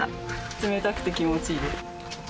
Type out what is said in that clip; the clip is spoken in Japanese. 冷たくて気持ちいいです。